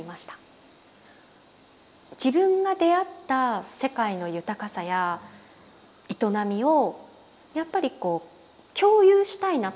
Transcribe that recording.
自分が出会った世界の豊かさや営みをやっぱり共有したいなと思ったんですね。